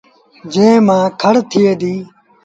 جݩهݩ مآݩ کڙ ٿئي ديٚ